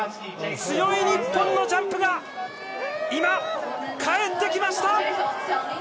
強い日本のジャンプが、今、帰ってきました！